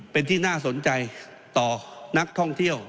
เป็นที่น่าสนใจต่อนักท่องเที่ยว